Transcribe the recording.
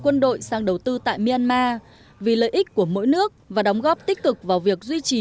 quân đội sang đầu tư tại myanmar vì lợi ích của mỗi nước và đóng góp tích cực vào việc duy trì